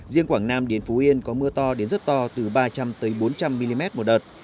riêng quảng nam đến phú yên có mưa to đến rất to từ ba trăm linh bốn trăm linh mm một đợt